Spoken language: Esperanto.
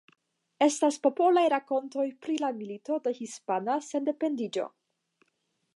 Estas popolaj rakontoj pri la Milito de Hispana Sendependiĝo.